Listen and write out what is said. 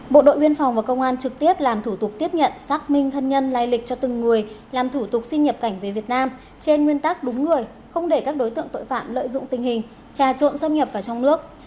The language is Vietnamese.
bộ đội biên phòng và công an trực tiếp làm thủ tục tiếp nhận xác minh thân nhân lai lịch cho từng người làm thủ tục xin nhập cảnh về việt nam trên nguyên tắc đúng người không để các đối tượng tội phạm lợi dụng tình hình trà trộn xâm nhập vào trong nước